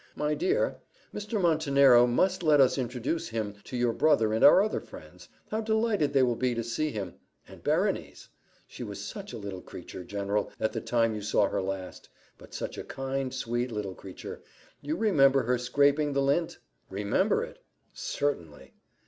"My dear, Mr. Montenero must let us introduce him to your brother and our other friends how delighted they will be to see him! And Berenice! she was such a little creature, General, at the time you saw her last! but such a kind, sweet, little creature! You remember her scraping the lint!" "Remember it! certainly."